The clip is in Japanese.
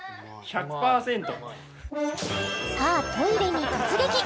さあトイレに突撃！